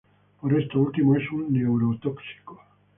Por esto último es un neurotóxico.